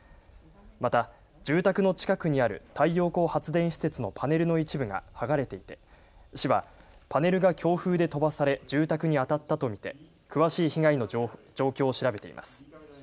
また住宅の近くにある太陽光発電施設のパネルの一部が剥がれていて市はパネルが強風で飛ばされ住宅に当たったと見て詳しい被害の状況を調べています。